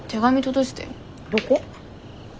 どこ？